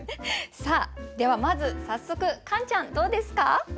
ではまず早速カンちゃんどうですか？